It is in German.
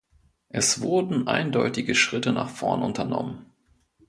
Es wurden eindeutige Schritte nach vorn unternommen.